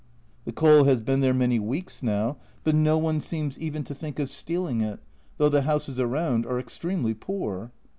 The coal has been there many weeks now, but no one 104 A Journal from Japan seems even to think of stealing it, though the houses around are extremely poor.